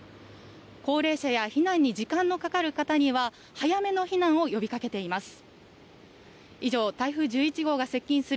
高齢者や避難に時間のかかる方には早めの避難を呼びかけています。